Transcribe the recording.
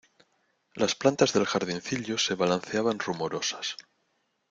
Las plantas del jardincillo se balanceaban rumorosas.